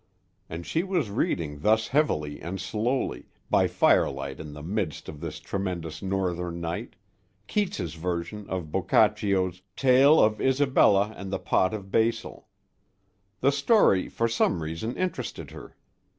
And she was reading thus heavily and slowly, by firelight in the midst of this tremendous Northern night, Keats's version of Boccaccio's "Tale of Isabella and the Pot of Basil." The story for some reason interested her.